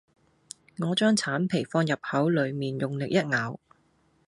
我將橙皮放入口裏面用力一咬